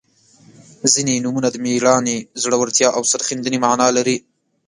• ځینې نومونه د میړانې، زړورتیا او سرښندنې معنا لري.